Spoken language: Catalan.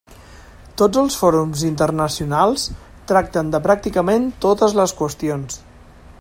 Tots els fòrums internacionals tracten de pràcticament totes les qüestions.